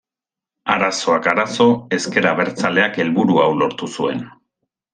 Arazoak arazo, ezker abertzaleak helburu hau lortu zuen.